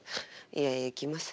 いやいや行きます。